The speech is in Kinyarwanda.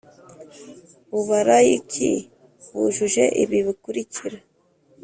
mu balayiki bujuje ibi bikurikira